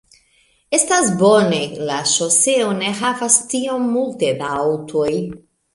Estas bone, la ŝoseo ne havas tiom multe da aŭtoj